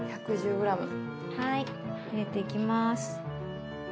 はい入れていきます。